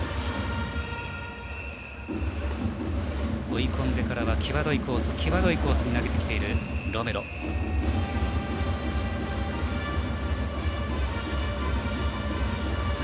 追い込んでからは際どいコースに投げてきているロメロです。